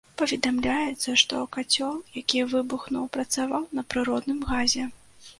Паведамляецца, што кацёл, які выбухнуў, працаваў на прыродным газе.